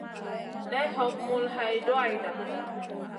Nay hog mul hay duwayda.